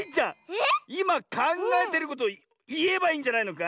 いまかんがえてることをいえばいいんじゃないのか？